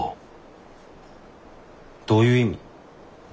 どういう意味？